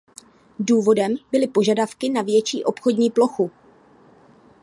Důvodem byly požadavky na větší obchodní plochu.